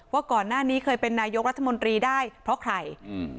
ว่าก่อนหน้านี้เคยเป็นนายกรัฐมนตรีได้เพราะใครอืม